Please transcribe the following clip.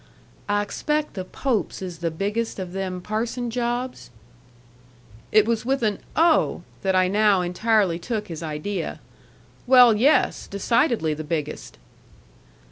"I expect the Pope's is the biggest of them parson jobs?" It was with an "Oh!" that I now entirely took his idea. "Well, yes; decidedly the biggest."